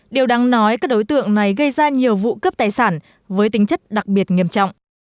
điều đáng nói các đối tượng này gây ra nhiều vụ cướp tài sản với tính chất đặc biệt nghiêm trọng